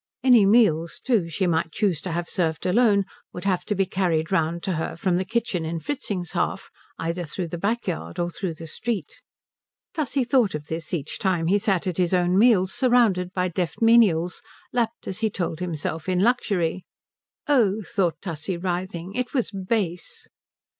Any meals, too, she might choose to have served alone would have to be carried round to her from the kitchen in Fritzing's half, either through the backyard or through the street. Tussie thought of this each time he sat at his own meals, surrounded by deft menials, lapped as he told himself in luxury, oh, thought Tussie writhing, it was base.